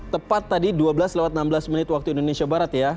tepat tadi dua belas lewat enam belas menit waktu indonesia barat ya